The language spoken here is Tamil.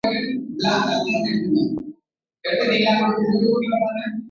அரசியல் நிர்வாகத்தை நடத்துவதற்குச் செல்வரிகளும் முன் வரலாம்.